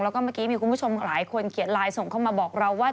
แล้วก็เมื่อกี้มีคุณผู้ชมหลายคนเขียนไลน์ส่งเข้ามาบอกเราว่า